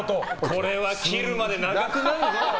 これは切るまで長くなるぞ。